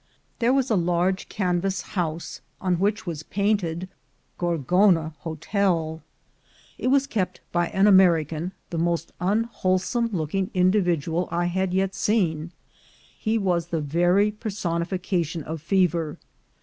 There was a large canvas house, on which was painted "Gorgona Hotel." It was kept by an Ameri can, the most unwholesome looking individual I had yet seen; he was the very personification of fever.